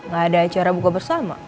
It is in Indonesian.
gak ada acara buka bersama